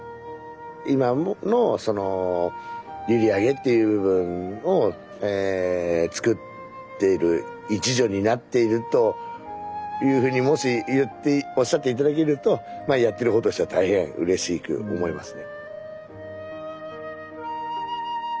今のその閖上っていう部分を作ってる一助になっているというふうにもし言っておっしゃって頂けるとまあやってる方としては大変うれしく思いますね。